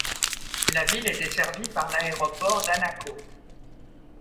La ville est desservie par l'aéroport d'Anaco.